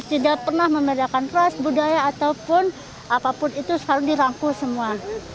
tidak pernah membedakan ras budaya ataupun apapun itu selalu dirangkul semua